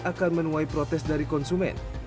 akan menuai protes dari konsumen